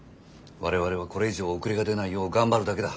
我々はこれ以上遅れが出ないよう頑張るだけだ。